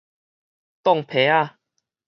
擋皮仔